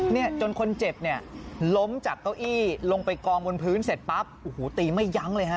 เนี่ยจนคนเจ็บเนี่ยล้มจากเก้าอี้ลงไปกองบนพื้นเสร็จปั๊บโอ้โหตีไม่ยั้งเลยฮะ